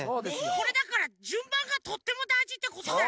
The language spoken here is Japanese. これだからじゅんばんがとってもだいじってことだよ。